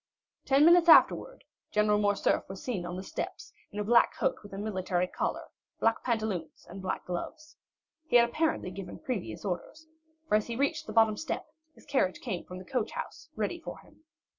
Ten minutes afterwards, General Morcerf was seen on the steps in a black coat with a military collar, black pantaloons, and black gloves. He had apparently given previous orders, for as he reached the bottom step his carriage came from the coach house ready for him.